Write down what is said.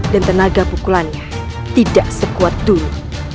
dan tenaga pukulannya tidak sekuat dulu